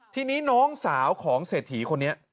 ทีนี้น้องสาวของเศรษฐีคนนี้